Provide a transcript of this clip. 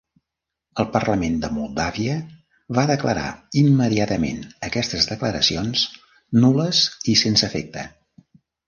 El parlament de Moldàvia va declarar immediatament aquestes declaracions nul·les i sense efecte.